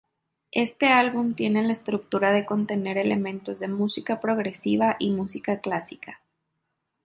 Este álbum tiene la estructura de contener elementos de música progresiva y música clásica.